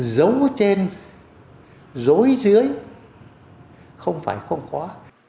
giống trên dối dưới không phải không có